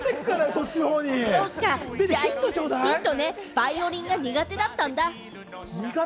バイオリンが苦手だったんだ。